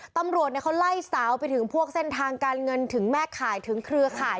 ตำรวจเขาไล่สาวไปถึงพวกเส้นทางการเงินถึงแม่ข่ายถึงเครือข่าย